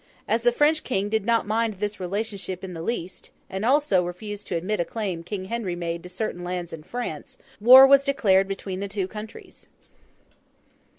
As the French King did not mind this relationship in the least, and also refused to admit a claim King Henry made to certain lands in France, war was declared between the two countries.